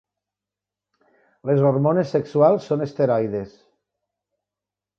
Les hormones sexuals són esteroides.